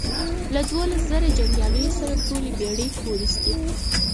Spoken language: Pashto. له دوولس زرو جنګیالیو سره ټولې بېړۍ پورېستې.